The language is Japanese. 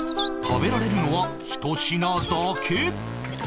食べられるのはひと品だけ